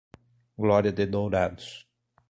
Glória de Dourados